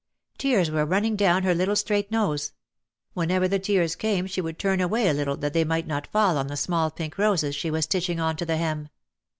Tears were running down her little straight nose. When ever the tears came she would turn away a little that they might not fall on the small pink roses she was stitch ing on to the hem.